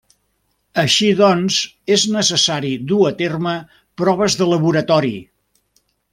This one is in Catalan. Així doncs, és necessari dur a terme proves de laboratori.